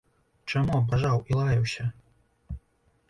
Чаму абражаў і лаяўся?